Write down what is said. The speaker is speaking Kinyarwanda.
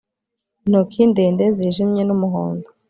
intoki ndende zijimye n'umuhondo